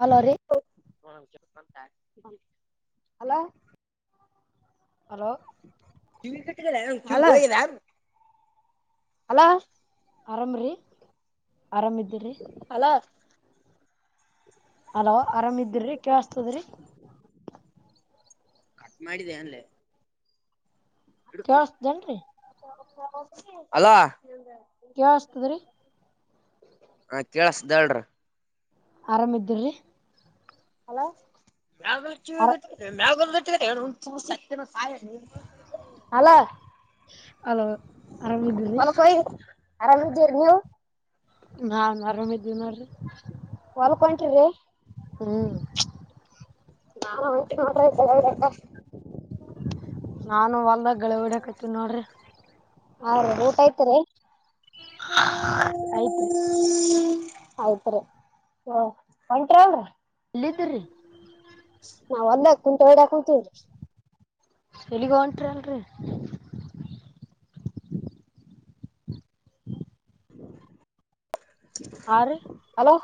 hello ರೀ hello hello ಲ ಯ ಹಲೋ ಅರಾಮ ರಿ ಹಲೋ ಅಲೋ ಆರಾಮ ಇದಿಿ ಕೆಲಸತೈತಾ ರಿ ಕಟ್ ಮಾಡಿದೆ ಅಂದಲ್ಲೆ ಕೇಳಸ್್ದೇನ್ರಿ ಹಲೋ ಕೇಳಸ್ತದ್ರಿ ಹ ಕೇೇಳಸ್ದ್ಯಾಳ್ರ ಆರಾಮ ಇದ್ರರಿ ಹಲೋ [unintelligible] ಹಲೋ ಅರ ಹಲೋ ಮ ಆರಾಮಿದ್ದಿರಿ ಸ ಅರಾಮ ನೀವು [unintelligible] ನಾನ್ ಆರಾಮ ಇದಿದ್ದೀನೀ ಹೊಲಕ್ ಹೊಂಟಿರಿ ಹ್ಮ್ ಹ್ತ [unintelligible] ನಾನು ಅಲ್ದ ಳೆ ಹೊಡಕತೀನ ನೋಡ್ರಿ [unintelligible] ಹಾ ರೀ ಊಟ ಐತ್ರಿ ಆಯ್ತ್ರಿ ಆಯ್ತ್ರಿ ಹಓ ಅಂಟ್ರ ಅವ್ರಿ ಲಿದ್ದರು ನಾವ್ ಒದ ಹಾಕ್ ಕುಂಟ ಹೊಡಾ ಕುಂತೀವ್ರಿ ಎಲಿಗೆ ಹೊಂಟ್ರಿ ಅಲ್ರಿ ಆ ರೀ ಅಲೋ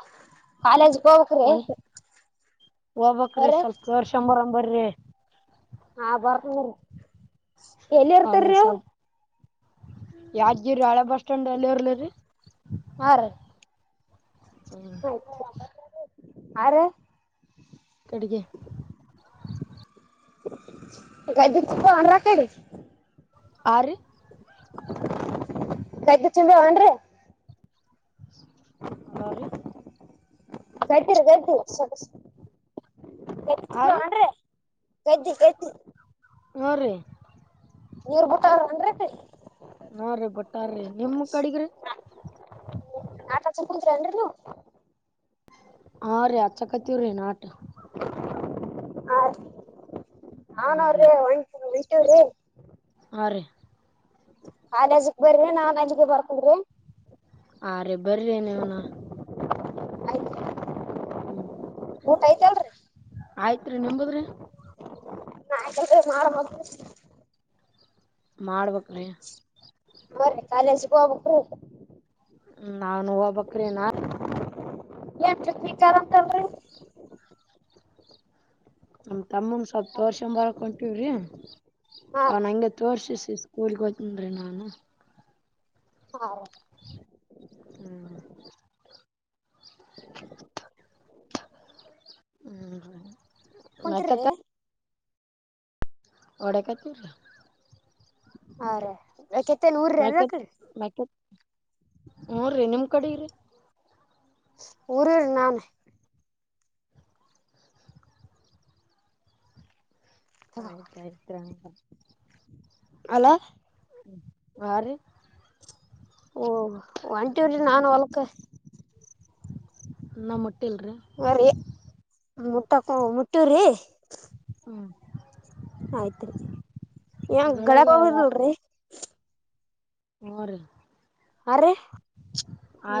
ಕಾಲೇಜ್ ಹಕ್ರೀ ಹೋಗಬೇಕು ರಿ ಸ್ವಲ್ಪ ತೋರಿಸಿಕೊಂಡು ಬರೋಣ ಬರಿ ಹಾ ಬರ್ತೀನಿ ಇರಿ ಎಲ್ಲಿ ಇರ್ತಾರೀ ಯಾಜ್ಜಿರಿ ಹಳೆ ಬಸ್ ಸ್ಟ್ಯಾಂಡ್ ಅಲ್ಲಿ ಇರ್ಲ ರರಿ ಹಾ ರೀ ಯಾರು ಕಡೆಗೆ ಗದ [unintelligible] ಆರಿ [unintelligible] ಚುಂಬವನ್ರಿ ಹಲೋರಿ ಕಟ್ಟಿರ ಕಟ್ಟಿರಿಲ್ ಸೊಗ ಕೆ ಆ ರೀ ಮಾಡ ಮಾಡ್ರೆ [unintelligible] ಮೂರು ನೀರ್ ಬುಟ ಅಂದ್ರ ಹ್ಮ್ ರಿ ಬಟ್ಟಾರೀ ನಿಮ ಕಡಗ್ರಿ ಸ್ವಲ್ಪ ಕೂತ್ಂಡರು ನೀವು ಹಾ ರೀ ಆ ಚಕತವ್ರೀ ನಾಟ ಹ ಹಾ ನನ್ ಅವ್ರೇ ಒಂ [unintelligible] [inaudible] ಆ ರಿ ಅಜಕ್ ಬರ್ರಿ ನಾನ್ ಅಜಿಗೆ ಬರ್ಕೊಂಡ್ರಿ ಆ ರಿ ರಿಬ್ಬರ್ರಿನ ನೀವನ ಆಯ್ತ ಹ್ಮ್ ಆಯ್ತ್ ರಿ ನಿಂಬುದ್ರಿ ನಾ ಯಾಕ ಮಾಡ ಬೇಕು ಮಾಡ್ಬೇಕ ರಿ ಕಾಲೇಜ್ ಹೋಗ್ಬೇಕು ನಾನು ಹೋಗ್ಬಕ್ರಿ ನಾ ಏನ್ [unintelligible] ನಮ ತಮ್ಮನ್ ಸ್ವಲ್ಪ್ ಹಾ ತೋರ್ಸಂಬರಕ್ ಒಟೊರಿ ಹಾ ಅವ್ನಂ ತೋರ್ಸಿ ಈ ಸ್ಕೂಲ್ ಗೆ ಹೋಗತನ್ ನಾನು ಹಾ ಹ್ಮ್ [inaudible] ಹ್ಮ್ ಹ್ಮ ಕುಂತಿನ ರಿ ಒಡೆತ ಹಾ ರ ಕೆತ್ತನ್ ಊರ್ರ ಯಾಕ್ರಿ ಹ್ಮ್ ರೀ ನಿಮ್ ಕಡೆ ಇ್ರರಿ ಊರಿರ್ ನಾನ ಆಯ್ತಾಯ್ತ ಹಲೋ ಯಾರೀ ಓಹ ಒಂಟಿವ್ರಿ ನಾನು ಹೊಲ್ಕ ಇನ ಮುಟಿಲಾರಿ ಬರ್ರಿ ಮುಟ್ಟಕ ಮುಟ್ಟೂರಿ ಹ್ಮ್ ಆಯ್ತ್ರಿ ಏನ್ ಗಳಗ ಹೋಗಲ್ಡ್ರಿ ಹುನ್ರಿ ಹರೇ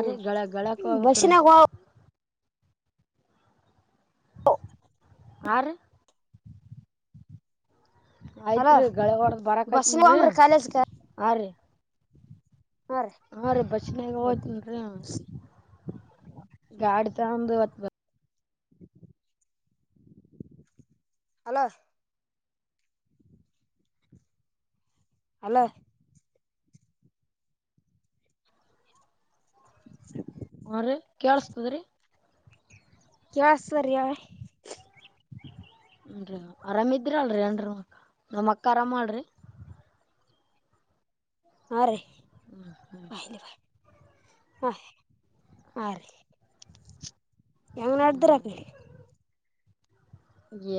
ರೀ ಗಳ ಗಳಕ್ ಹೋಗ್ಬೇಕ್ರಿ ಬಸ್ಸಿನಗ್ ಹರೀ ಹಲೋ ಆಯ್ತ್ರಿಗಳಿಗೆ ಹೊಡೆದು ಬಸ್ಸಿನ ಬರಕ್ಯತ್ನ್ರರಿ ಹೋಗಂಬ್ರಿ ಕಾಲೇಜ್ಗ ಆರೀ ಹಾ ರೀ ಹಾರೀ ಬಸ್ಸಿನಗ್ ಆಯ್ತ್ ಹೋತಿನ್ರಿ ಗಾಡಿ ತಕೊಂಡು ಹಲೋ ಹಲೋ ಹ್ಞೂ ರೀ ಕೇಳಿಸ್ತದ ರೀ [unintelligible] ಏನ್ ರೀ ಆರಾಮ ಇದ್ರಿರಲ್ರಿ ಎಲ್ಲರೂನಮ್ಮ ಅಕ್ಕ ಆರಾಮಳರೀ ಹಾ ರೀ ಹ್ಮ್ ಹ್ಮ್ ಬಾ ಇಲ್ಲಿ ಬಾ ಹಾ ಹರೀ ಹೆಂಗ್ ಹ್ಞೂ ನೆಡ್ಡರಾಗಿ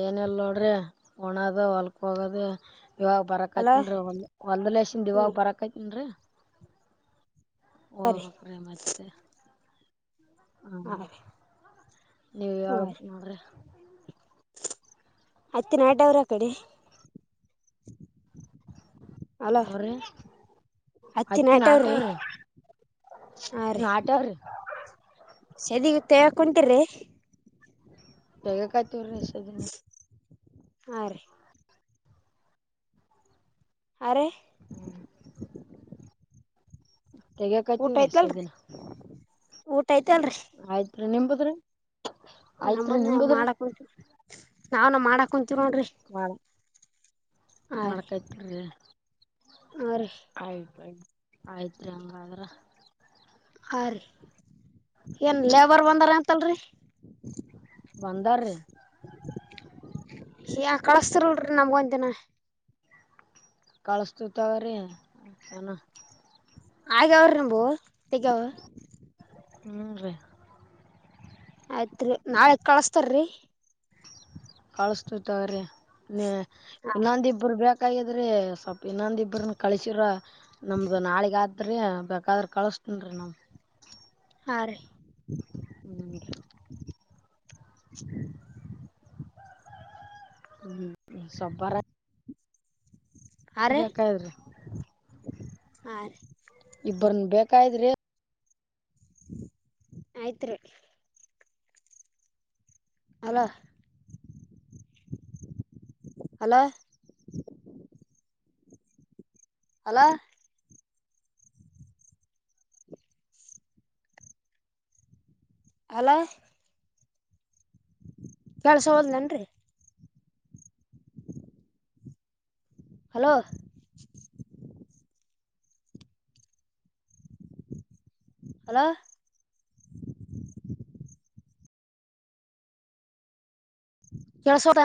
ಏನಿಲ್ಲ ನೋಡ್ರಿ ಉಣ್ಣೊದು ಹೊಲ್ಕೋಗೋದ ಇವಾಗ್ ಹಲೋ ಬರಕಕತೀನಿ ಹೊಲದಿಂದ ಈವಾಗ ಬರಕ್ತನ್ರೀ ಹೋಗಬೇಕ್ರಿ ಮತ್ತೆ ಹಾ ಹ್ಮ ರೀ ನೀವು ಹಾ ಈವಾಗ ರೀ ನೋಡ್ರಿ ಅತ್ತೆ ಅವ್ರ ಕಡಿ ಹಲೋ ಅವ್ರ ಹತ್ತಿ ಅತ್ತಿ ನಾಟ ನಾಟ್ಯವ್ರಿ ಅವ್ರೀ ನಾಟರ್ ಸದಗತ್ತ ಹಾ ಕುಟಿ್ರೀ ಬೇಗ ಕಾಯ್ತಿವರ್ರಷ್ಟ ಅದನ್ನ ಆ ಅರೆ ತೆಗಕಾಯ್ತಿೀವ ಊಟ ರೀ ಐತಲ್ರಿ ಸದಿನ ಊಟ ಐತಲ್ರಿ ಆಯ್ತ್ರಿೀ ನಿಂಬಪದ್ರಿ ನನ್ ಮಾಡಕ್ ಕು ನಾವನ ಮಾಡಕ್ ಕುಂಂತೀವೋೊಂಡಿ ಮಾಡ್ಕಾಯ್ತಿರಿರಿ ಹಾ ರೀ ಆಯ್ತಾಯ್ತು ಆಯ್ತ್ರಿಿ ಹಂಗಾದ್ರ ಹಾಂ ರೀ ಏನು ಲೇಬರ್ ಬಂದಾರ ಅಂತಲ್ಲರಿ ಬಂದಾರ ರ ಹ ಕಳಸ್ತ ರೋಡ್ಗೋಂದ ತನೆ ಕಳಸ್ತ ತಗ್ರೀ ಯಾನ ಹಾಗಗ ಅವ್ರ ನಂಬೂ ತಗಾವ ಹುನ್ ರೀ ಆಯ್ತ್ರಿ ನಾಳೆಗ್ ಕಳಸ್ತಾರ್ರಿ ಕಳಸ್ತು ತವ್ರೀ ನೀ ಇನ್ನಂದಿಬ್ಬರು ಬ್ಯಾಕ್ ಬಾಗಿದ್ರಿ ಸ್ವಲ್ಪ ಇನ್ನೊಂದ ಇಬ್ರ ಕಳಸಿರ ನಮ್ದು ನಾಳಗ್ ಆದ್ರಿ ಬೇಕಾದ್ರ ಕಳಸ ಹುನ್ರಿ ಹ ರೀ ಹ್ಮ್ ಹ್ಮ ಸಾರ ಬೇಕಾಗಿಲ್ಲ ರೀ ಆ ರೀ ಬ್ಬರ್ನ್ ಬೇಕಾಯ್ರಿ ಆಯತ ರಿ ಅಲ ಅಲೋ ಅಲೋ ಅಲೋ ನಡ್ಸ ಹೋದ್ಲೇನ್ರಿ ಹಲೋ ಹಲೋ ಎಳ್ ಸಾವರ